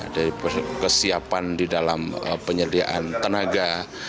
dari kesiapan di dalam penyediaan tenaga